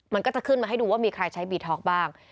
มันก็จะขึ้นมาให้ดูว่ามีใครใช้บีท็อกบ้าง